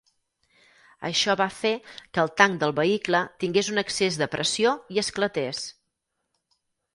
Això va fer que el tanc del vehicle tingués un excés de pressió i esclatés.